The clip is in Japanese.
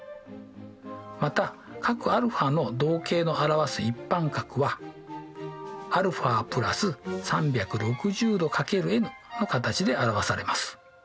また角αの動径の表す一般角はα＋３６０°×ｎの形で表されます。